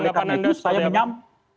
nah oleh karena itu saya benyam